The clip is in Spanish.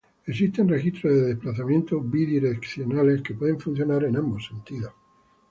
Existen registros de desplazamiento bidireccionales, que pueden funcionar en ambos sentidos.